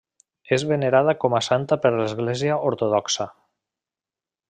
És venerada com a santa per l'Església ortodoxa.